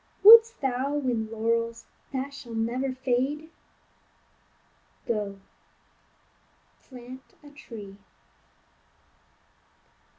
Wouldst thou win laurels that shall never fade? Go plant a tree.